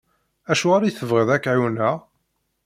Acuɣer i tebɣiḍ ad k-ɛiwneɣ?